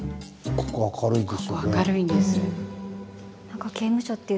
ここは明るいんです。